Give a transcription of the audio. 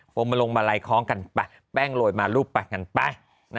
พอมาลงมาลัยคล้องกันไปแป้งโรยมารูปไปกันไป